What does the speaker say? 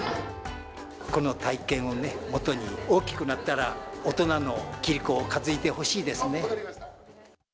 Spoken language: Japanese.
この体験をね、もとに、大きくなったら、大人のキリコを担いでほしいですね。